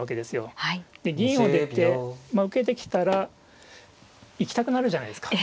銀を出てまあ受けてきたら行きたくなるじゃないですか。